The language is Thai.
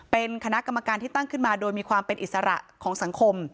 เป็นคณะกรรมการที่ตั้งขึ้นมาโดยมีความเป็นอิสระของสังคม